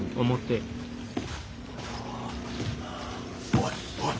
おいおい。